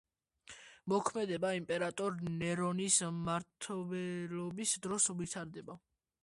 მოქმედება იმპერატორ ნერონის მმართველობის დროს ვითარდება.